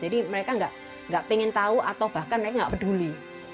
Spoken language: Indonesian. jadi mereka nggak pengen tahu atau bahkan mereka nggak peduli